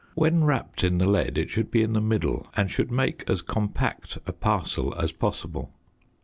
When wrapped in the lead it should be in the middle and should make as compact a parcel as possible.